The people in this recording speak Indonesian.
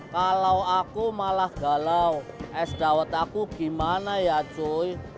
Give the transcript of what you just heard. kalau aku malah galau es dawet aku gimana ya joy